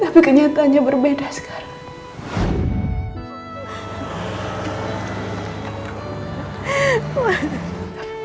tapi kenyataannya berbeda sekarang